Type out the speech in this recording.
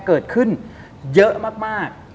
เกิดขึ้นเยอะมาก